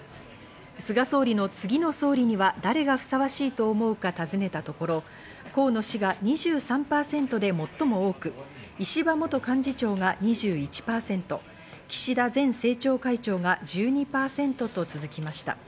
菅総理の次の総理には誰がふさわしいと思うか尋ねたところ、河野氏が２３％で最も多く、石破元幹事長が２１％、岸田前政調会長が１２％と続きました。